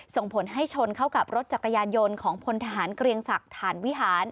ส่งผลให้ชนเข้ากับรถจักรยานยนต์ของพลทหารเกรียงศักดิ์ฐานวิหาร